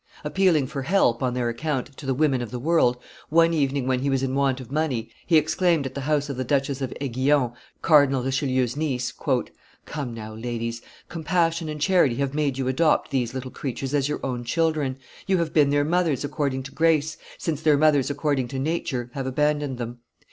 Appealing for help, on their account, to the women of the world, one evening when he was in want of money, he exclaimed at the house of the Duchess of Aiguillon, Cardinal Richelieu's niece, "Come now, ladies; compassion and charity have made you adopt these, little creatures as your own children; you have been their mothers according to grace, since their mothers according to nature have abandoned them.